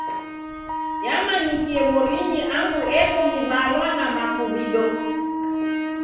Yamanyikie w'orinyi angu eko miw'alwa na makuw'ido.